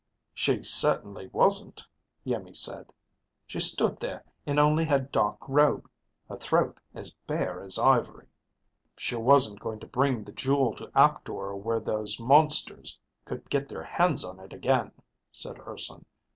"She certainly wasn't," Iimmi said. "She stood there in only her dark robe, her throat as bare as ivory." "She wasn't going to bring the jewel to Aptor where those monsters could get their hands on it again," said Urson.